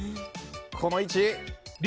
この位置。